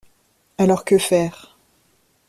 Alors que faire?